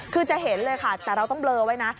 คือจะเห็นเลยค่ะแต่เราต้องเลอไว้นะ